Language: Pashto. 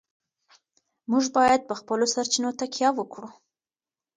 موږ باید په خپلو سرچینو تکیه وکړو.